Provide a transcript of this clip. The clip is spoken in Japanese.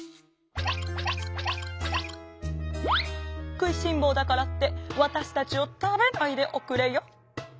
「くいしんぼだからってわたしたちをたべないでおくれよ」。